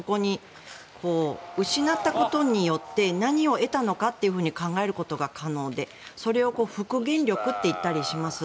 でも、そこに失ったことによって何を得たのかと考えることが可能でそれを復元力と言ったりします。